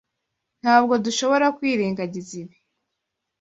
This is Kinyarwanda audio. Ntabwo dushobora kwirengagiza ibi.